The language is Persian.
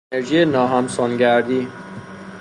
انرژی ناهمسانگردی